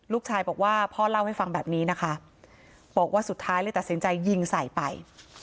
ลูกชายบอกว่าพ่อเล่าให้ฟังแบบนี้นะคะบอกว่าสุดท้ายเลยตัดสินใจยิงใส่ไป